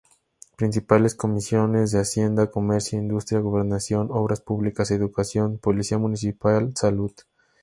Principales comisiones: de Hacienda, Comercio, Industria, Gobernación, Obras Públicas, Educación, Policía Municipal, Salud.